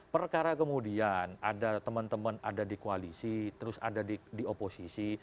perkara kemudian ada teman teman ada di koalisi terus ada di oposisi